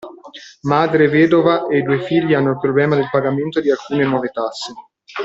Madre vedova e i due figli hanno il problema del pagamento di alcune nuove tasse.